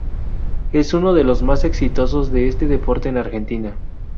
Es uno de lo más exitosos de este deporte en Argentina.